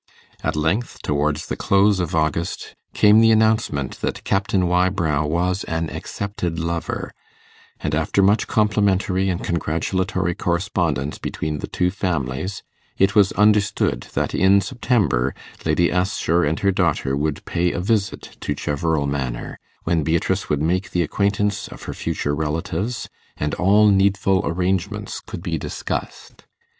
At length, towards the close of August, came the announcement that Captain Wybrow was an accepted lover, and after much complimentary and congratulatory correspondence between the two families, it was understood that in September Lady Assher and her daughter would pay a visit to Cheverel Manor, when Beatrice would make the acquaintance of her future relatives, and all needful arrangements could be discussed.